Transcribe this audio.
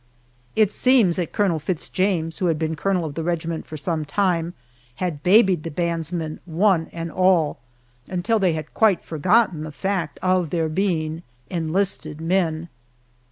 It seems that Colonel Fitz James, who had been colonel of the regiment for some time, had babied the bandsmen, one and all, until they had quite forgotten the fact of their being enlisted men.